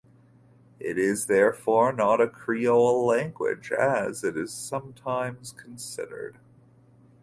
It is therefore not a creole language, as it is sometimes considered.